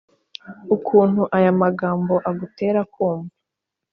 ukuntu aya magambo agutera kumva